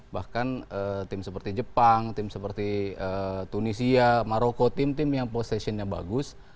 bahkan tim seperti jepang tim seperti tunisia maroko tim tim yang positionnya bagus